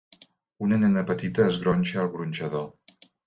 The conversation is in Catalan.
Una nena petita es gronxa al gronxador.